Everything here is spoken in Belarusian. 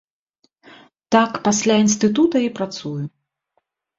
Так пасля інстытута і працую.